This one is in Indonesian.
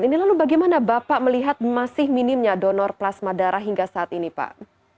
ini lalu bagaimana bapak melihat masih minimnya donor plasma darah hingga saat ini pak